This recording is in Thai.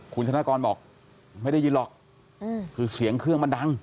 คุณธนกรบอกไม่ได้ยินหรอกคือเสียงเครื่องมันดัง